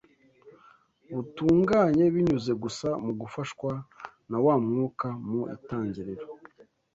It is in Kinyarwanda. butunganye binyuze gusa mu gufashwa na wa Mwuka mu itangiriro